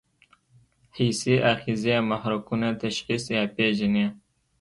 حسي آخذې محرکونه تشخیص یا پېژني.